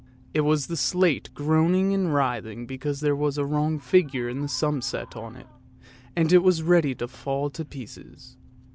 It was the slate groaning and writhing because there was a wrong figure in the sum set on it, and it was ready to fall to pieces.